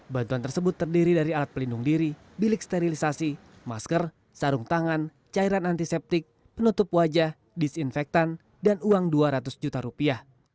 bantuan tersebut terdiri dari alat pelindung diri bilik sterilisasi masker sarung tangan cairan antiseptik penutup wajah disinfektan dan uang dua ratus juta rupiah